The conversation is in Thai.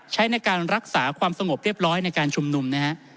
ใช้ในการรักษาความสงบเรียบร้อยในการชุมนุมนะฮะ